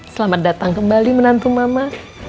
selamat datang kembali menantu mama